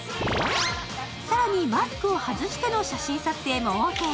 更に、マスクを外しての写真撮影もオーケー。